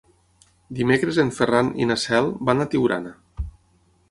Dimecres en Ferran i na Cel van a Tiurana.